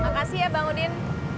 makasih ya bang udin